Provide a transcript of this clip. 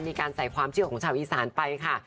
มีการใส่ความเชื่อของชาวอีสานไปค่ะ